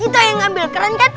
kita yang ambil keren kan